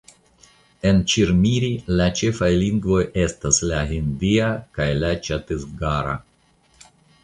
En Ĉirmiri la ĉefaj lingvoj estas la hindia kaj la ĉatisgara.